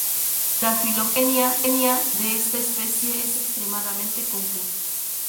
La filogenia de esta especie es extremadamente confusa.